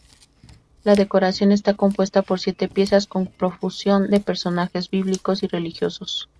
La decoración está compuesta por siete piezas con profusión de personajes bíblicos y religiosos.